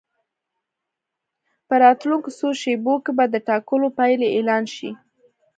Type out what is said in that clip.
په راتلونکو څو شېبو کې به د ټاکنو پایلې اعلان شي.